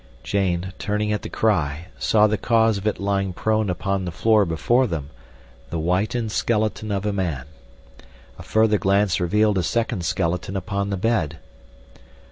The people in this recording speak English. Jane, turning at the cry, saw the cause of it lying prone upon the floor before them—the whitened skeleton of a man. A further glance revealed a second skeleton upon the bed.